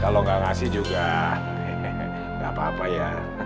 kalo gak ngasih juga enggak apa apa ya